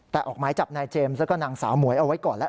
แต่ออกหมายจับนายเจมส์แล้วก็นางสาวหมวยเอาไว้ก่อนแล้ว